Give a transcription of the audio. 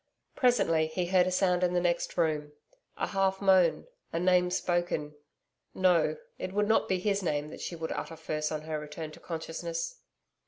Presently, he heard a sound in the next room a half moan a name spoken. No, it would not be his name that she would utter first on her return to consciousness.